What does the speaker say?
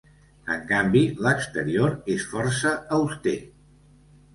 En canvi, l'exterior és força auster.